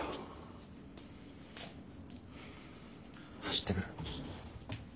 走ってくる。